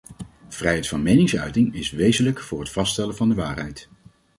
Vrijheid van meningsuiting is wezenlijk voor het vaststellen van de waarheid.